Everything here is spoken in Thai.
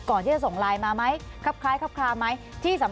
ก่อนที่จะส่งไลน์มาไหมครับคล้ายครับคลาไหม